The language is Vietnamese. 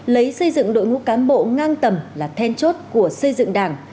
lấy xây dựng đội ngũ cán bộ ngang tầm là then chốt của xây dựng đảng